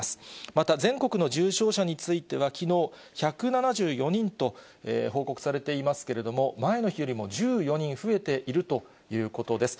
また、全国の重症者については、きのう、１７４人と報告されていますけれども、前の日よりも１４人増えているということです。